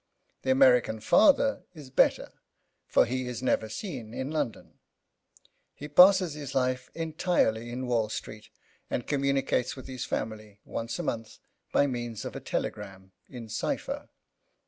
The American father is better, for he is never seen in London. He passes his life entirely in Wall Street and communicates with his family once a month by means of a telegram in cipher.